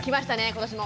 今年も。